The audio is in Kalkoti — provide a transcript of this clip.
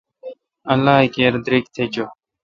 اللہ کیر دیرک تھ چو۔